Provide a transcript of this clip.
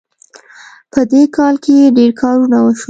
په دې کال کې ډېر کارونه وشول